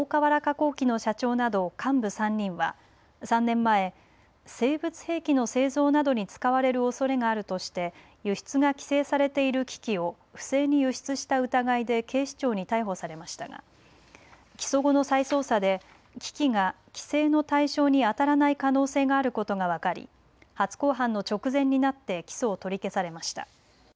工機の社長など幹部３人は３年前、生物兵器の製造などに使われるおそれがあるとして輸出が規制されている機器を不正に輸出した疑いで警視庁に逮捕されましたが起訴後の再捜査で機器が規制の対象にあたらない可能性があることが分かり初公判の直前になって起訴を取り消されました。